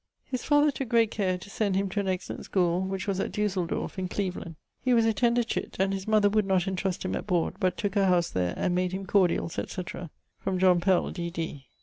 His father tooke great care to send him to an excellent schoole, which was at Dusseldorf, in Cleveland. He was a tender chitt, and his mother would not entruste him at board, but tooke a house there, and made him cordialls, etc. from John Pell, D.D.